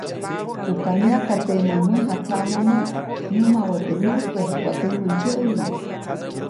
ʼUka myaka teʼmä mäjatsaʼmomo, nämawä teʼ nyuʼstäjk waʼa temä ndsyäʼyu.